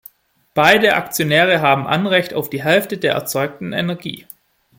Beide Aktionäre haben Anrecht auf die Hälfte der erzeugten Energie.